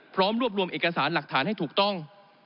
พร้อมรวบรวมเอกสารหลักฐานให้ถูกต้อง